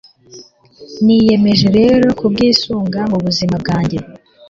niyemeje rero kubwisunga mu buzima bwanjye